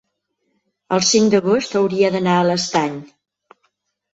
el cinc d'agost hauria d'anar a l'Estany.